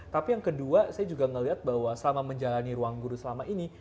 tapi yang kedua saya juga melihat bahwa selama menjalani ruang guru selama ini